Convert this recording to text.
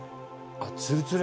あっツルツル。